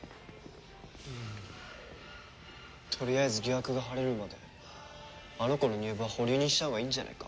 とりあえず疑惑が晴れるまであの子の入部は保留にしたほうがいいんじゃないか？